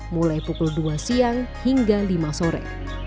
mulai pukul dua siang hingga lima sore